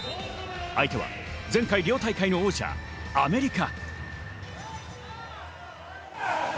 相手は前回リオ大会の王者・アメリカ。